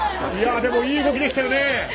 でも、いい動きでしたよね。